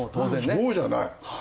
そうじゃない！